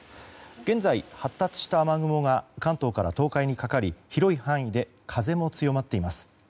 現在、発達した雨雲が関東から東海にかかり広い範囲で風も強まっています。